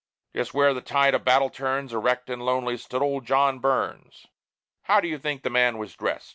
Just where the tide of battle turns, Erect and lonely, stood old John Burns. How do you think the man was dressed?